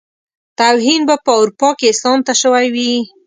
توهين به په اروپا کې اسلام ته شوی وي.